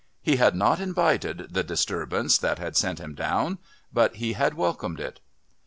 He had not invited the disturbance that had sent him down, but he had welcomed it.